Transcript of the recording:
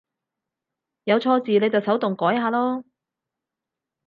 有錯字你就手動改下囉